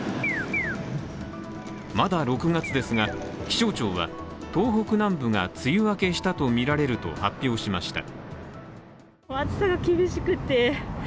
まだ６月ですが、気象庁は東北南部が梅雨明けしたとみられると発表しました。